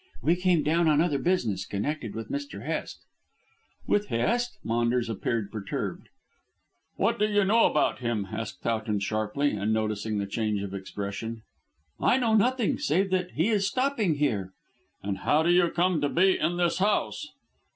"We came down on other business, connected with Mr. Hest." "With Hest?" Maunders appeared perturbed. "What do you know about him?" asked Towton sharply, and noticing the change of expression. "I know nothing, save that he is stopping here." "And how do you come to be in this house?"